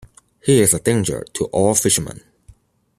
He is a danger to all fishermen.